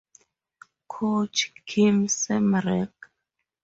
Coach: Kim Sam-rak.